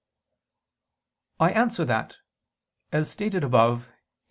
I answer that, As stated above (Q.